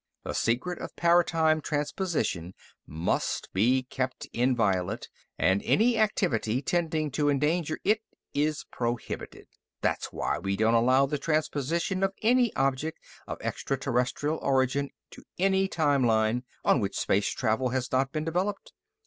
The secret of paratime transposition must be kept inviolate, and any activity tending to endanger it is prohibited. That's why we don't allow the transposition of any object of extraterrestrial origin to any time line on which space travel has not been developed.